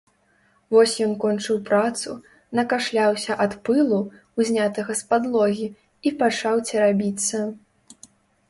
Вось ён кончыў працу, накашляўся ад пылу, узнятага з падлогі, і пачаў церабіцца.